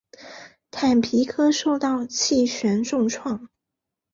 坦皮科受到气旋重创。